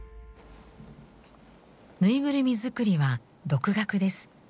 ぬいぐるみ作りは独学です。